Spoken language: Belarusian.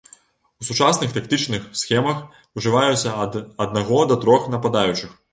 У сучасных тактычных схемах ужываюцца ад аднаго да трох нападаючых.